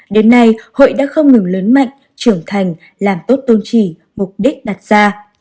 đến nay hội đã không ngừng lớn mạnh trưởng thành làm tốt tôn trì mục đích đặt ra